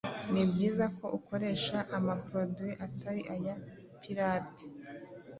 ni byiza ko ukoresha ama produit atari aya pirates